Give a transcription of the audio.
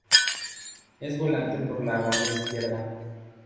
Es volante por la banda izquierda.